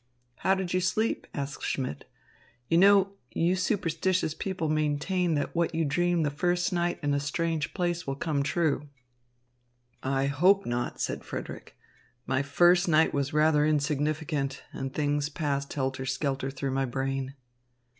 "How did you sleep?" asked Schmidt. "You know, you superstitious people maintain that what you dream the first night in a strange place will come true." "I hope not," said Frederick. "My first night was rather insignificant, and things passed helter skelter through my brain."